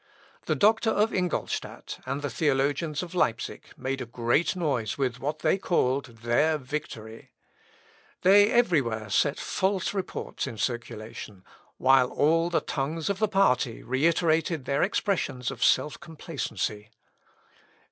The doctor of Ingolstadt, and the theologians of Leipsic, made a great noise with what they called their victory. They everywhere set false reports in circulation, while all the tongues of the party reiterated their expressions of self complacency.